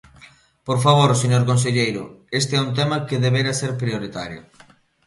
Por favor, señor conselleiro, este é un tema que debera ser prioritario.